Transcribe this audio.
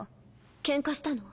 ケンカしたの？